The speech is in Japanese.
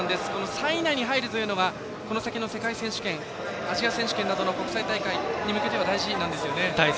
３位以内に入るというのがこの先の世界選手権アジア選手権などの国際大会に向けては大切ですね。